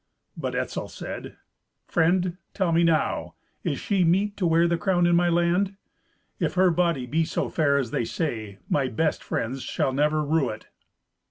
But Etzel said, "Friend, tell me now, is she meet to wear the crown in my land? If her body be so fair as they say, my best friends shall never rue it."